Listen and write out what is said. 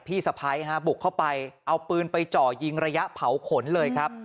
พี่สะพ้ายบุกเข้าไปเอาปืนไปเจาะยิงระยะเผาขนเลยครับ